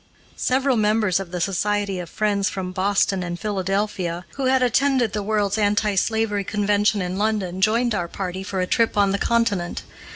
Several members of the Society of Friends from Boston and Philadelphia, who had attended the World's Anti slavery Convention in London, joined our party for a trip on the Continent.